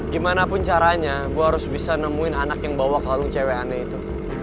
gimanapun caranya gua harus bisa nemuin anak yang bawa kalung cewek aneh itu